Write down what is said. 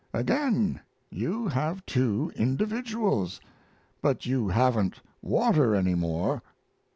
"Again you have two individuals. But you haven't water any more."